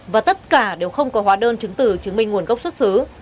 và tất cả đều không có hóa đơn chứng tử chứng minh nguồn gốc xuất xứ